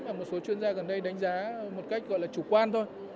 và một số chuyên gia gần đây đánh giá một cách gọi là chủ quan thôi